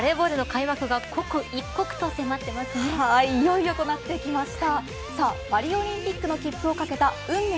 松崎さん、バレーボールの開幕が刻一刻と迫っていはい、いよいよとなってきました。